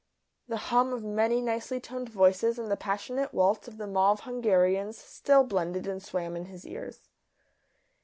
The hum of many nicely toned voices and the passionate waltz of the Mauve Hungarians still blended and swam in his ears.